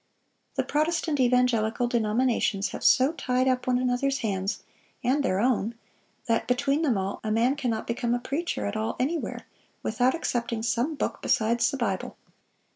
The Protestant evangelical denominations have so tied up one another's hands, and their own, that, between them all, a man cannot become a preacher at all, anywhere, without accepting some book besides the Bible....